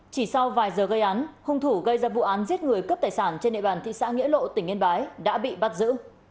chỉ sau vài giờ gây án hung thủ gây ra vụ án giết người cướp tài sản trên địa bàn thị xã nghĩa lộ tỉnh yên bái đã bị bắt giữ